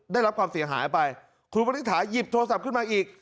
ได้รับความเสียหายไปคุณวณิษฐาหยิบโทรศัพท์ขึ้นมาอีก